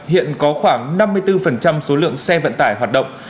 hiện có khoảng năm mươi bốn số lượng xe vận tải hoạt động